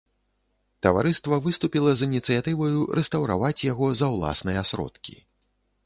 Таварыства выступіла з ініцыятываю рэстаўраваць яго за ўласныя сродкі.